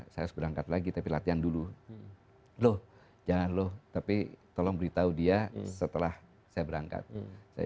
saya harus berangkat lagi tapi latihan dulu loh jangan lo tapi tolong beritahu dia setelah saya berangkat saya